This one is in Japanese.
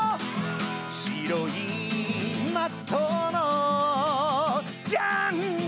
「しろいマットのジャングルに」